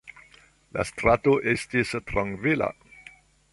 La strato estis trankvila.